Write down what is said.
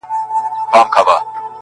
لمبو وهلی سوځولی چنار-